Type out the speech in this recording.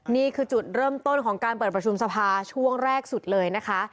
นี่คือจุดเริ่มต้นของการเปิดประชุมสภาช่วงแรกสุดเลยนะคะ